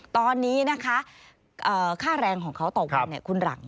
ตอนนี้นะคะค่าแรงของเขาต่อวันคุณหลัง